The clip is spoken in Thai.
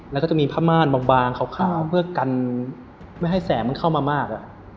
แล้วก็จะมีผ้าม่านบางขาวเพื่อกันไม่ให้แสงมันเข้ามามาก